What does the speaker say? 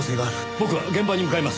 僕は現場に向かいます。